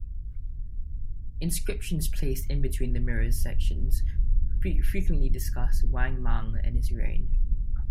Inscriptions placed in between the mirror's sections frequently discuss Wang Mang and his reign.